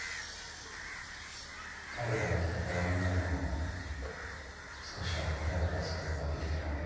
パリから来た手紙にも少しは答えを出すことができたかのう。